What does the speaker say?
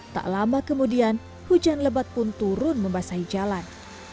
tak lama kemudian hujan lebat pun turun membasahi jalan